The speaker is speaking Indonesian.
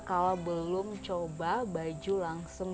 kalau belum coba baju langsung